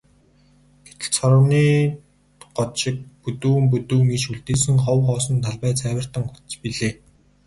Гэтэл цооргонын год шиг бүдүүн бүдүүн иш үлдээсэн хов хоосон талбай цайвартан угтаж билээ.